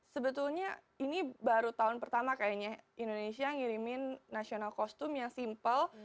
sebetulnya ini baru tahun pertama kayaknya indonesia ngirimin national costum yang simple